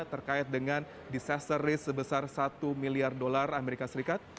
terkait dengan disaster risk sebesar satu miliar dolar amerika serikat